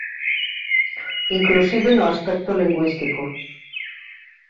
Inclusive no aspecto lingüístico.